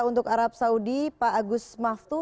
untuk arab saudi pak agus maftu